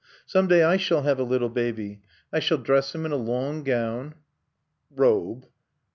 Some day I shall have a little baby. I shall dress him in a long gown " "Robe."